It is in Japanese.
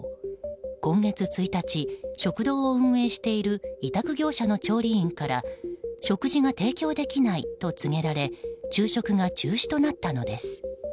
今月１日、食堂を運営している委託業者の調理員から食事が提供できないと告げられ昼食が中止となったのです。